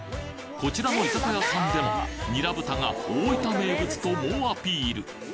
こちらの居酒屋さんでもニラ豚が大分名物と猛アピール！